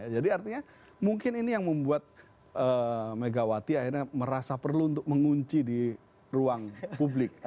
jadi artinya mungkin ini yang membuat megawati akhirnya merasa perlu untuk mengunci di ruang publik